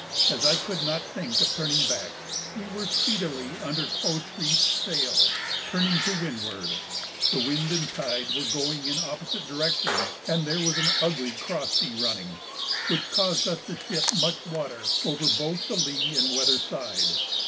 As I could not think of turning back, we were speedily under close reefed sails, turning to windward; the wind and tide were going in opposite directions, and there was an ugly cross sea running, which caused us to ship much water over both the lee and weather side.